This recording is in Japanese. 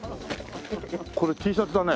これＴシャツだね。